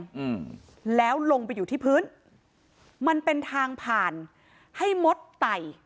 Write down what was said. อืมแล้วลงไปอยู่ที่พื้นมันเป็นทางผ่านให้มดไต่